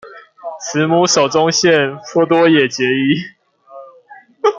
慈母手中線，波多野結衣